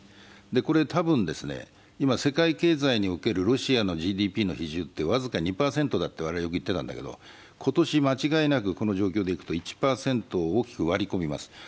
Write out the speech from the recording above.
これは多分、今世界経済におけるロシアのＧＤＰ比率は僅か２％だと言ってたんだけど今年、間違いなくこの状況でいくと１％を大きく割り込みます。